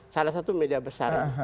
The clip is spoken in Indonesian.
salah satu media besar